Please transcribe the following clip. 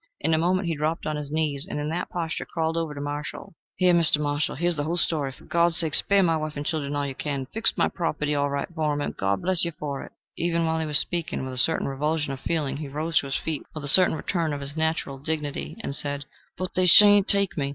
In a moment he dropped on his knees, and in that posture crawled over to Marshall: "Here, Mr. Marshall here's the whole story. For God's sake, spare my wife and children all you can. Fix my little property all right for 'em, and God bless you for it!" Even while he was speaking, with a quick revulsion of feeling he rose to his feet, with a certain return of his natural dignity, and said, "But they sha'n't take me!